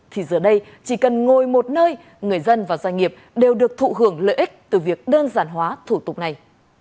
thì giờ đây chỉ cần ngồi một nơi người dân và doanh nghiệp đều được thụ hưởng lợi ích từ việc đơn giản hóa thủ tục này